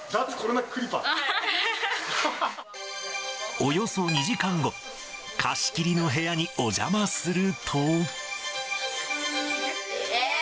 およそ２時間後、貸し切りの部屋にお邪魔すると。